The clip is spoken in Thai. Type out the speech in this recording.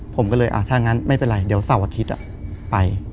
ผมก็เลยถ้างั้นไม่เป็นไรเดี๋ยวเสาร์อาทิตย์ไป